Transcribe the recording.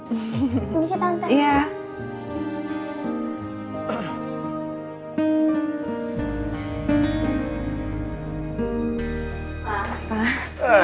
ini sih tante